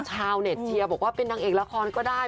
ชาวเน็ตเชียร์บอกว่าเป็นนางเอกละครก็ได้